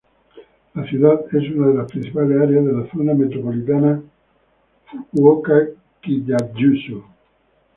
La ciudad es una de las principales áreas de la zona metropolitana Fukuoka-Kitakyushu.